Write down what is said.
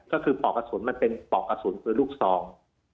ก็คือปอกกระสุนมันเป็นปอกกระสุนปืนลูกซอง